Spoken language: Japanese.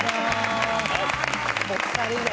お二人で。